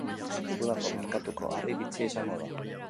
Udako merkatuko harribitxia izango da.